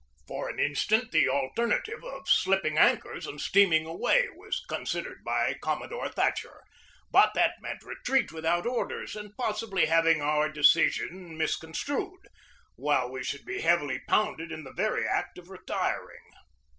For an instant the alternative of slipping an chors and steaming away was considered by Com modore Thatcher, but that meant retreat without orders and possibly having our decision misconstrued, while we should be heavily pounded in the very act of retiring.